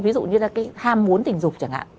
ví dụ như là cái ham muốn tình dục chẳng hạn